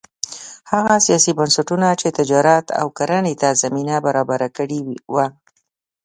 هغه سیاسي بنسټونه چې تجارت او کرنې ته زمینه برابره کړې وه